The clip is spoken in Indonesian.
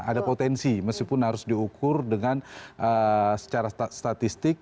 ada potensi meskipun harus diukur dengan secara statistik